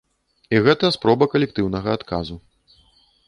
І гэта спроба калектыўнага адказу.